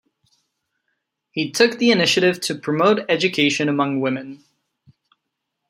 He took the initiative to promote education among women.